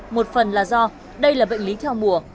một phần là do đây là bệnh lý theo mùa